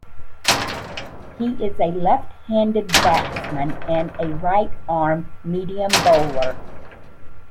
He is a left-handed batsman and a right-arm medium bowler.